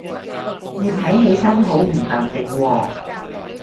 你睇起身好唔淡定喎